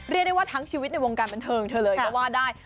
เรียกได้ว่าทั้งชีวิตในวงการบันเทิงเธอเลยก็ว่าได้